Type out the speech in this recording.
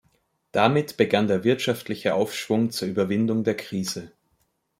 Damit begann der wirtschaftliche Aufschwung zur Überwindung der Krise.